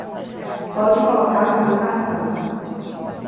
Pode colocar no meu cartão.